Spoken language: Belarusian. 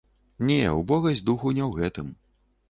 Не, убогасць духу не ў гэтым.